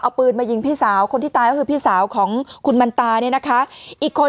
เอาปืนมายิงพี่สาวคนที่ตายก็คือพี่สาวของคุณมันตาเนี่ยนะคะอีกคน